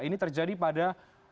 ini terjadi pada